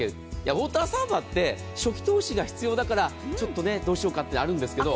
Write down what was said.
ウォーターサーバーって初期投資が必要だからちょっとね、どうしようかってあるんですけど。